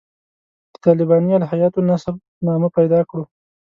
د طالباني الهیاتو نسب نامه پیدا کړو.